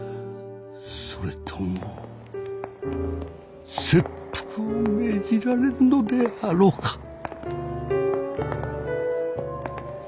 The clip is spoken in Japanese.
それとも切腹を命じられるのであろうか。